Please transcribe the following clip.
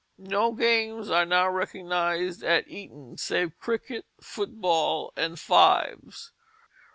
No games are now recognized at Eton save cricket, foot ball, and fives.